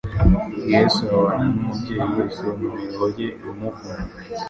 Yesu ababarana n'umubyeyi wese mu miruho ye imuvuna.